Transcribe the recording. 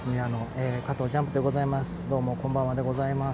加藤ジャンプでございます